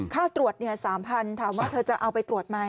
ค่าตรวจ๓๐๐ถามว่าเธอจะเอาไปตรวจไหม